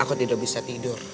aku tidak bisa tidur